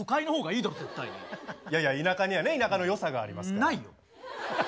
いやいや田舎にはね田舎の良さがありますから。